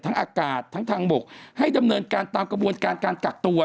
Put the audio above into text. อากาศทั้งทางบกให้ดำเนินการตามกระบวนการการกักตัว